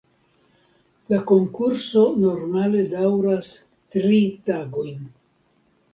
La konkurso normale daŭras tri tagojn.